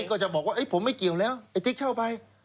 ก็จะบอกว่าผมไม่เกี่ยวแล้วไอ้ติ๊กเข้าไป